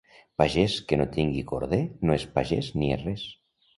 Pagès que no tingui corder no és pagès ni és res.